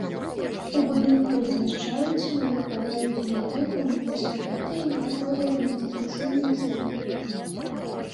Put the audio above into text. У будынку размяшчаюцца навуковая бібліятэка ўніверсітэта і некаторыя адміністрацыйныя службы.